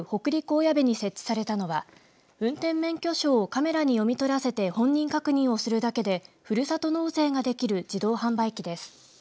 小矢部に設置されたのは運転免許証をカメラに読み取らせて本人確認をするだけでふるさと納税ができる自動販売機です。